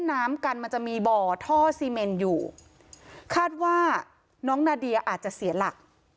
น้ำกันมันจะมีบ่อท่อซีเมนอยู่คาดว่าน้องนาเดียอาจจะเสียหลัก